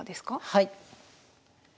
はい。